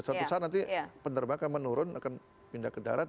suatu saat nanti penerbangan menurun akan pindah ke darat